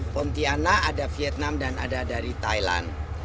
pontianak ada vietnam dan ada dari thailand